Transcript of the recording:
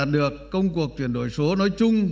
quả đạt được công cuộc chuyển đổi số nói chung